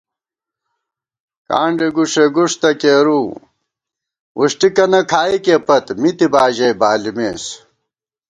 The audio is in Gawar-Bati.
کانڈے گُݭېگُݭ تہ کېرُو ، وُݭٹِکَنہ کھائیکےپت مِتِبا ژَئی بالِمېس